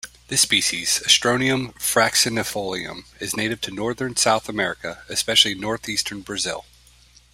This species, "Astronium fraxinifolium", is native to northern South America, especially north-eastern Brazil.